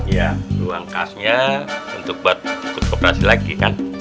ya duluan kasnya untuk buat kekoperasi lagi kan